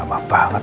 ayolah pas dubuh